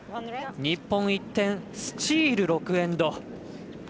日本、１点、スチール、６エンド。